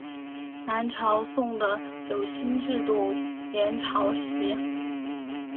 南朝宋的九卿制度沿袭晋制。